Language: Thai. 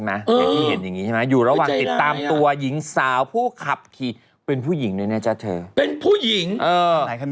แล้วตัวลดสกัดจับได้ไหม